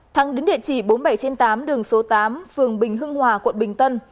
thắng đến địa chỉ bốn trăm bảy mươi tám đường số tám phường bình hưng hòa quận bình tân